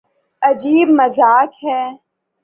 عجیب مذاق ہے۔